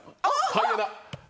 ハイエナ！